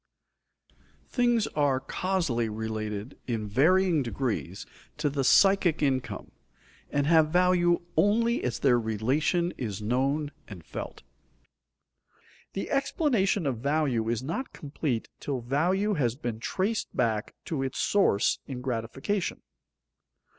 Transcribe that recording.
_Things are causally related in varying degrees to the psychic income, and have value only as their relation is known and felt._ The explanation of value is not complete till value has been traced back to its source in gratification.